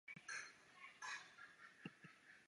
后担任云南省第二届人大代表。